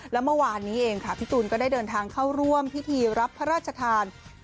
และเมื่อวานนี้เองค่ะพี่ตูนก็ได้เดินทางเข้าร่วมพิธีรับพระราชทาน